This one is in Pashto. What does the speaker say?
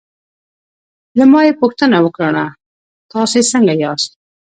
له ما یې پوښتنه وکړل: تاسې څنګه یاست؟